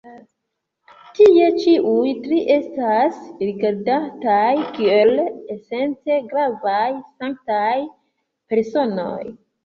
Tie ĉiuj tri estas rigardataj kiel esence gravaj sanktaj personoj.